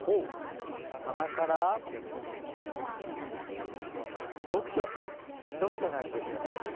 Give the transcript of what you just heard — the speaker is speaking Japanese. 棚から読書、読書の秋ですよね。